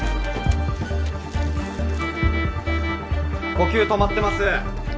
呼吸止まってます。